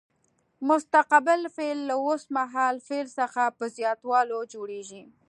مستقبل فعل له اوس مهال فعل څخه په زیاتولو جوړیږي.